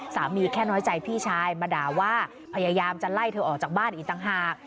แค่น้อยใจพี่ชายมาด่าว่าพยายามจะไล่เธอออกจากบ้านอีกต่างหาก